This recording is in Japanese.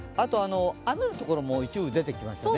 雨の所も一部出てきましたね。